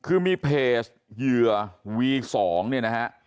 คือมีเพจเหยื่อวี๒เนี่ยนะฮะ